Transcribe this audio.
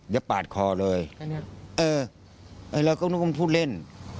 เดี๋ยวปาดคอเลยเออไอเราก็ต้องพูดเล่น